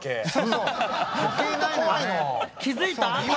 気付いた？